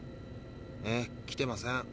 ええ来てません。